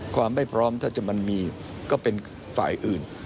ความไม่พร้อมถ้าจะมันมีก็เป็นฝ่ายอื่น